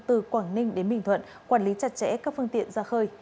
từ quảng ninh đến bình thuận quản lý chặt chẽ các phương tiện ra khơi